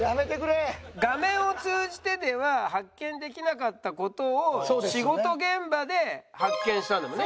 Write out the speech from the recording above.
画面を通じてでは発見できなかった事を仕事現場で発見したんだもんね？